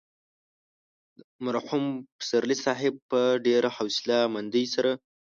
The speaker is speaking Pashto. مرحوم پسرلي صاحب په ډېره حوصله مندۍ سره.